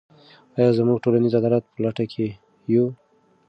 آیا موږ د ټولنیز عدالت په لټه کې یو؟